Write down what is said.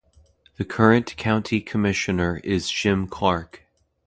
The current County Commissioner is Jim Clark.